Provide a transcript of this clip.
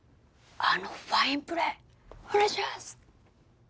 あのファインプレーお願いしやす！